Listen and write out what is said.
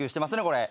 これ。